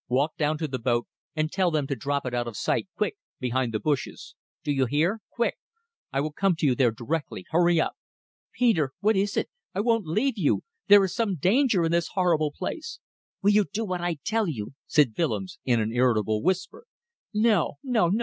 Walk down to the boat and tell them to drop it out of sight, quick, behind the bushes. Do you hear? Quick! I will come to you there directly. Hurry up!" "Peter! What is it? I won't leave you. There is some danger in this horrible place." "Will you do what I tell you?" said Willems, in an irritable whisper. "No! no! no!